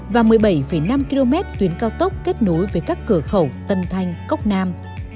và một mươi bảy năm km tuyến cao tốc kết nối với các cửa khẩu tân thanh cốc nam